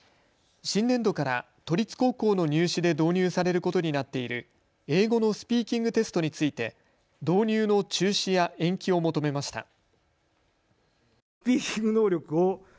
新年度から都立高校の入試で導入されることになっている英語のスピーキングテストについて導入の中止や延期を求めました。